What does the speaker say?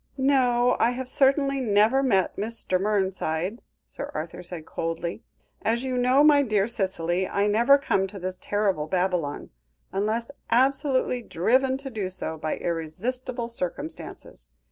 "No; I have certainly never met Mr. Mernside," Sir Arthur said coldly; "as you know, my dear Cicely, I never come to this terrible Babylon, unless absolutely driven to do so by irresistible circumstances.